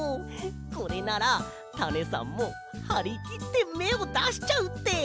これならタネさんもはりきってめをだしちゃうって！